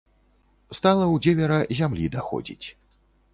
Стала ў дзевера зямлі даходзіць.